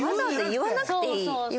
言わなくていい。